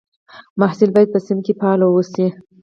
محصل باید په صنف کې فعال واوسي.